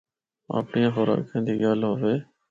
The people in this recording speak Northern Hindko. اپڑیاں خوراکاں دی گل ہوے۔